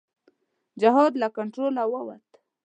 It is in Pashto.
جهاد له کنټروله ووت.